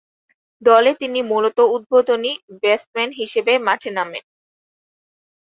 দলে তিনি মূলতঃ উদ্বোধনী ব্যাটসম্যান হিসেবে মাঠে নামেন।